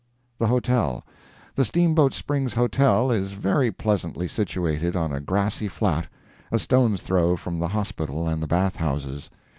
THE HOTEL. The Steamboat Springs Hotel is very pleasantly situated on a grassy flat, a stone's throw from the hospital and the bath houses.